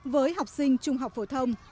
với học sinh trung học phổ thông